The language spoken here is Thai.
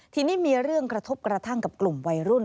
ทีนี้มีเรื่องกระทบกระทั่งกับกลุ่มวัยรุ่น